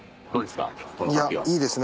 いやいいですね。